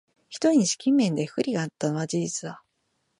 ひとえに資金面で不利があったのは事実だ